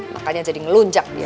makanya jadi ngelunjak dia